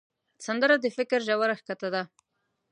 سندره د فکر ژوره ښکته ده